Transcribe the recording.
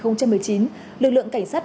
năm hai nghìn một mươi chín lực lượng cảnh sát